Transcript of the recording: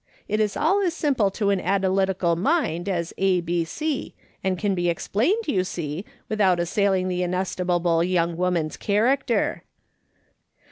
It is all as simple to an analytical mind as a, b, c, and can be explained, you see, without assailing the estimable young woman's character.'